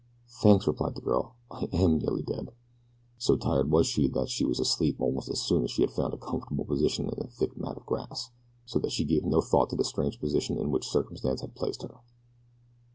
"Thanks!" replied the girl. "I AM nearly dead." So tired was she that she was asleep almost as soon as she had found a comfortable position in the thick mat of grass, so that she gave no thought to the strange position in which circumstance had placed her.